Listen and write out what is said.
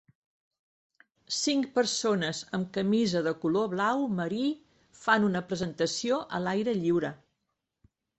Cinc persones amb camisa de color blau marí fan una presentació a l'aire lliure.